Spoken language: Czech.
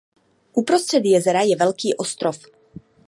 Uprostřed jezera je velký ostrov.